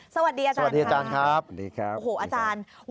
สวัสดีอาจารย์ค่ะสวัสดีครับ